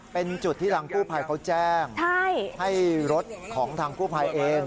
เป็นจุดที่ทางกู้ภัยเขาแจ้งให้รถของทางกู้ภัยเอง